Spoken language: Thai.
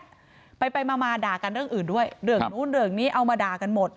เรื่องไม่เป็นเรื่องอ่ะเรื่องเล็กน้อยแบบนี้แต่ทะเลาะกันบ่อยมาก